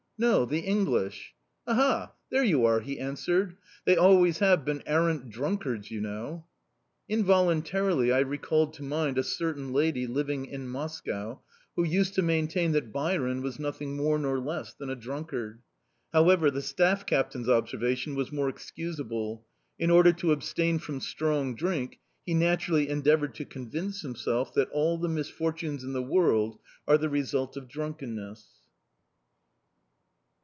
"No, the English." "Aha, there you are!" he answered. "They always have been arrant drunkards, you know!" Involuntarily I recalled to mind a certain lady, living in Moscow, who used to maintain that Byron was nothing more nor less than a drunkard. However, the staff captain's observation was more excusable; in order to abstain from strong drink, he naturally endeavoured to convince himself that all the misfortunes in the world are the result of drunkenness.